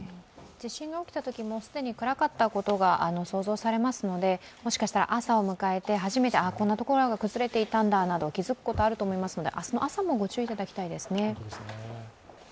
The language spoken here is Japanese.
地震が起きたとき、既に暗かったことが想像されますのでもしかしたら、朝を迎えて初めて、こんなところが崩れていたんだと気付くことがあると思いますので明日の朝もご注意いただきたいですね。